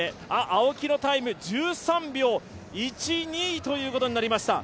青木のタイム１３秒１２ということになりました。